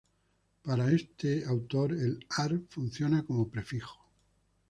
Para este autor, el "ar"- funciona como prefijo.